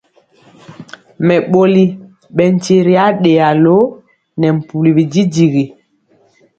Mɛɓoli ɓɛ nkye ri aɗeya lo nɛ mpuli bididigi.